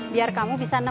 biar kamu bisa nemenin